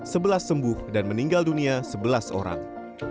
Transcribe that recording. sebelas sembuh dan meninggal dunia sebelas orang